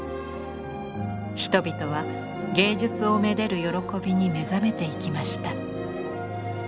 人々は芸術をめでる喜びに目覚めていきました。